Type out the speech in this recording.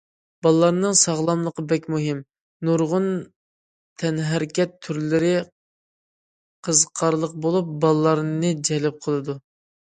بالىلارنىڭ ساغلاملىقى بەك مۇھىم، نۇرغۇن تەنھەرىكەت تۈرلىرى قىزىقارلىق بولۇپ، بالىلارنى جەلپ قىلىدۇ.